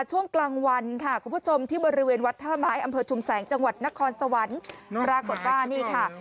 ช่วงกลางวันค่ะคุณผู้ชมที่บริเวณวัดท่าไม้อำเภอชุมแสงจังหวัดนครสวรรค์ปรากฏว่านี่ค่ะ